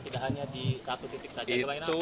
tidak hanya di satu titik saja bapak ina